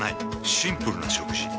シンプルな食事。